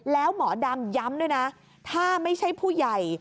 แล้วหมอดำย้ำด้วยนะถ้าไม่ใช่ผู้ใหญ่